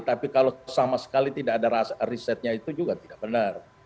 tapi kalau sama sekali tidak ada risetnya itu juga tidak benar